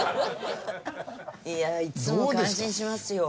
いやいつも感心しますよ。